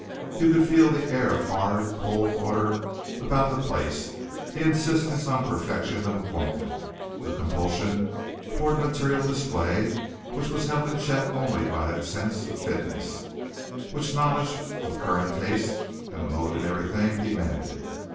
You could feel the air of hard, cold order about the place, the insistence on perfection of appointment, the compulsion toward material display which was held in check only by that sense of fitness, which knowledge of current taste and the mode in everything demanded.